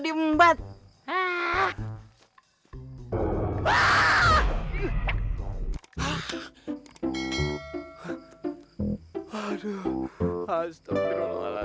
nah itu dia tuh jamur